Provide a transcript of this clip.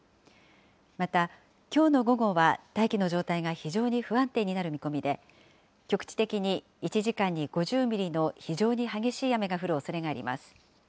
また、きょうの午後は大気の状態が非常に不安定になる見込みで、局地的に１時間に５０ミリの非常に激しい雨が降るおそれがあります。